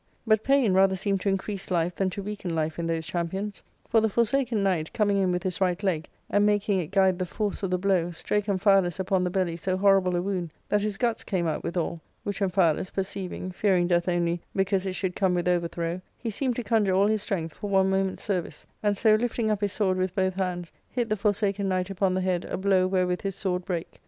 * But pain rather seemed to increase life than to weaken life in those champions j for the Forsaken Knight, coming in with his right leg, and making it guide the force of the blow, strake Amphialus upon the belly so horrible a wound that his guts came out withal ; which Amphialus perceiving, fearing death olily because it should come with overthrow, he Seemed to conjure all his strength for one moment's service ; and so, lifting up his sword with both hands, hit the Forsaken Knight upon the head a blow wherewith his sword brake.